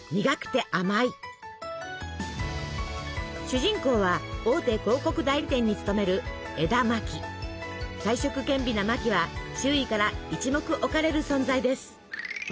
主人公は大手広告代理店に勤める才色兼備なマキは周囲から一目置かれる存在です。